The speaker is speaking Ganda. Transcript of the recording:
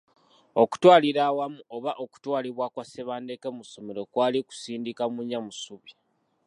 Okutwalira awamu, oba okutwalibwa kwa Tebandeke mu ssomero kwali kusindika munnya mu ssubi.